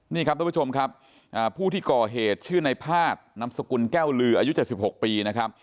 นี่ครับทุกผู้ชมครับผู้ที่ก่อเหตุชื่อในพาดนำสกุลแก้วลืออายุ๗๖ปีนะครับ